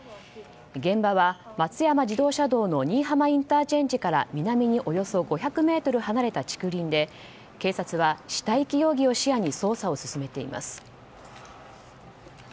現場は松山自動車道の新居浜ＩＣから南におよそ５００ｍ離れた竹林で警察は、死体遺棄容疑を視野に捜査を進めています。